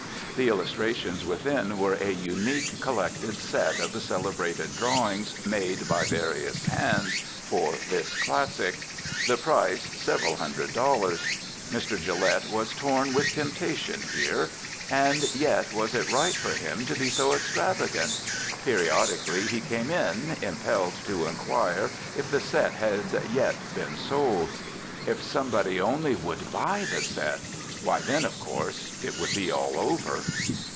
The illustrations within were a unique, collected set of the celebrated drawings made by various hands for this classic. The price, several hundred dollars. Mr. Gillette was torn with temptation here. And yet was it right for him to be so extravagant? Periodically he came in, impelled to inquire if the set had yet been sold. If somebody only would buy the set why, then, of course it would be all over.